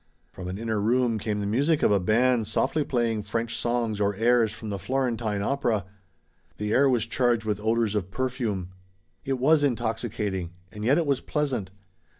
From an inner room came the music of a band softly playing French songs or airs from the Florentine opera. The air was charged with odors of perfume. It was intoxicating, and yet it was pleasant.